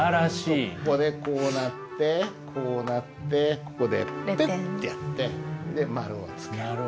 ここでこうなってこうなってここでピッとやってで丸をつける。